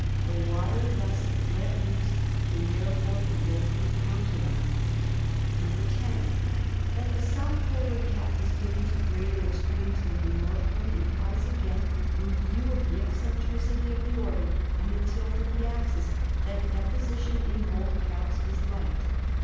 The water thus let loose can, therefore, be locally counted on. "(10) That the south polar cap is given to greater ex tremes than the north one implies again, in view of the eccentricity of the orbit and the tilt of the axis, that depo sition in both caps is light.